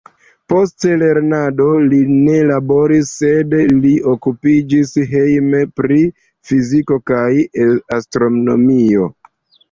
Post lernado li ne laboris, sed li okupiĝis hejme pri fiziko kaj astronomio.